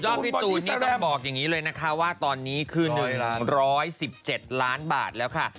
ก็พี่ตูนนี่ต้องบอกอย่างนี้เลยนะคะว่าตอนนี้คือ๑๑๗ล้านบาทแล้วค่ะ